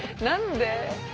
何で？